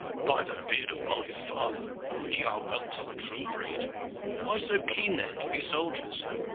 "By the beard of my father! but ye are whelps of the true breed. Why so keen, then, to be soldiers?"